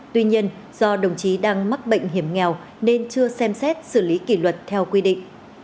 tuy nhiên do đồng chí đang mắc bệnh hiểm nghèo nên chưa xem xét xử lý kỷ luật theo quy định